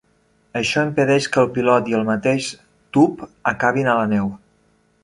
Això impedeix que el pilot i el mateix tub acabin a la neu.